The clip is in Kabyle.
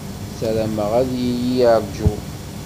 Ssarameɣ ad iyi-yeṛju.